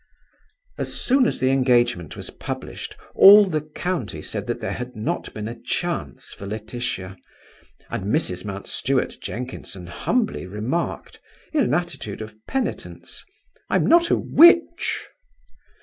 As soon the engagement was published all the county said that there had not been a chance for Laetitia, and Mrs. Mountstuart Jenkinson humbly remarked, in an attitude of penitence, "I'm not a witch."